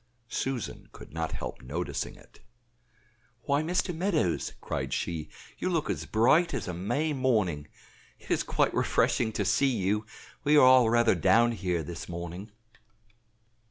Susan could not help noticing it. "Why, Mr. Meadows," cried she, "you look as bright as a May morning; it is quite refreshing to see you; we are all rather down here this morning."